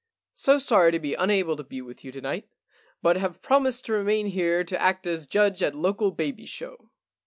" So sorry to be unable to be with you to night, but have promised to remain here to act as judge at local baby show."